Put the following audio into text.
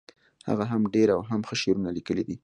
هغه هم ډیر او هم ښه شعرونه لیکلي دي